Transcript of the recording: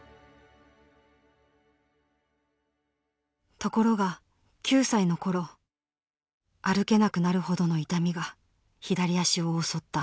ところが９歳の頃歩けなくなるほどの痛みが左足を襲った。